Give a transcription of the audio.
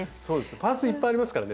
パーツいっぱいありますからね。